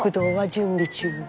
準備中や。